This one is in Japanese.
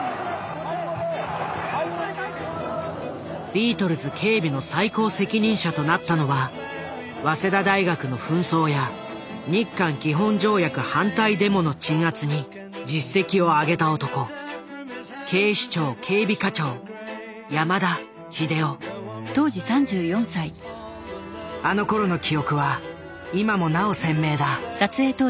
ビートルズ警備の最高責任者となったのは早稲田大学の紛争や日韓基本条約反対デモの鎮圧に実績を上げた男あのころの記憶は今もなお鮮明だ。